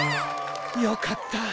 よかった。